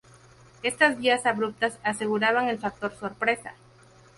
Estas vías abruptas aseguraban el factor sorpresa.